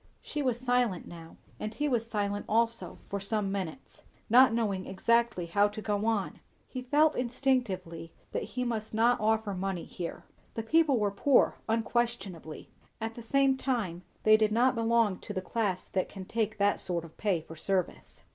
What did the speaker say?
She was silent now, and he was silent also, for some minutes; not knowing exactly how to go on. He felt instinctively that he must not offer money here. The people were poor unquestionably; at the same time they did not belong to the class that can take that sort of pay for service.